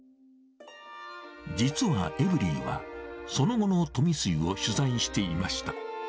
実はエブリィは、その後の富水を取材していました。